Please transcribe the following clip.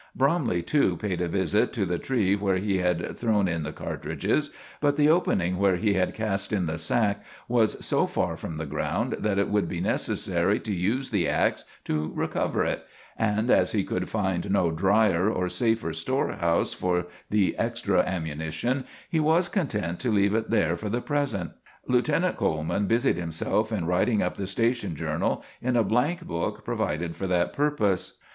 Bromley, too, paid a visit to the tree where he had thrown in the cartridges; but the opening where he had cast in the sack was so far from the ground that it would be necessary to use the ax to recover it, and as he could find no drier or safer storehouse for the extra ammunition, he was content to leave it there for the present. Lieutenant Coleman busied himself in writing up the station journal in a blank book provided for that purpose.